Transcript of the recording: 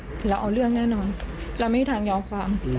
คือเราเอาเรื่องแน่นอนเราไม่มีทางยอมความ